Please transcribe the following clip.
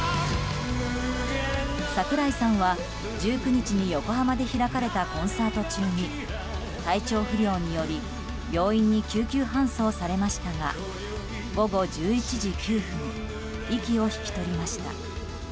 櫻井さんは１９日に横浜で開かれたコンサート中に体調不良により病院に救急搬送されましたが午後１１時９分息を引き取りました。